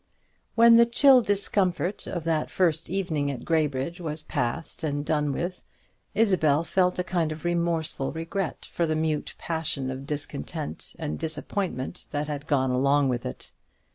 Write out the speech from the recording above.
'" When the chill discomfort of that first evening at Graybridge was past and done with, Isabel felt a kind of remorseful regret for the mute passion of discontent and disappointment that had gone along with it.